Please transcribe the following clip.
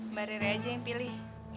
mbak riri aja yang pilih